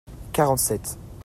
quarante sept.